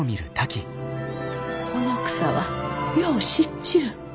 この草はよう知っちゅう。